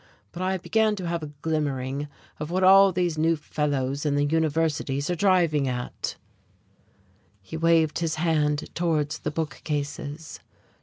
But I began to have a glimmering of what all these new fellows in the universities are driving at." He waved his hand towards the book cases.